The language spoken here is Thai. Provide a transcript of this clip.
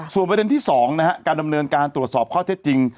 ส่วนประเด็นที่๒การดำเนินการตรวจสอบข้อเท็จจริง